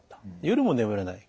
夜も眠れない。